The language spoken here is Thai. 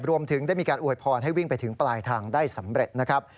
รวมถึงได้มีการอวยพรให้วิ่งไปถึงปลายทางได้สำเร็จนะครับ